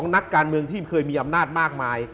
นักการเมืองที่เคยมีอำนาจมากมาย